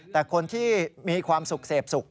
แต่คนที่มีความสุขเสพสุข